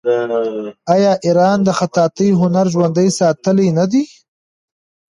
آیا ایران د خطاطۍ هنر ژوندی ساتلی نه دی؟